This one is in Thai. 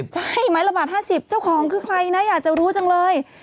ใช่ไหมละบาท๕๐เจ้าของคือใครนะอยากจะรู้จังเลย